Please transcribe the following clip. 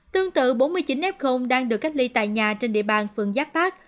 tương tự bốn mươi chín f đang được cách ly tại nhà trên địa bàn phường giác bác